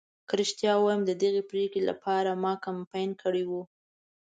که رښتیا ووایم ددغې پرېکړې لپاره ما کمپاین کړی و.